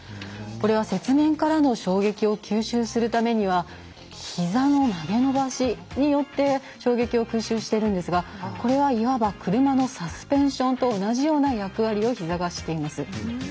これは、雪面からの衝撃を吸収するためにはひざの曲げ伸ばしによって衝撃を吸収してるんですがこれは、いわば車のサスペンションと同じような役割をひざがしています。